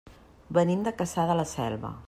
Venim de Cassà de la Selva.